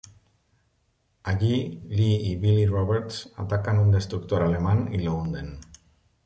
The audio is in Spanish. Allí Lee y Billy Roberts atacan un destructor alemán y lo hunden.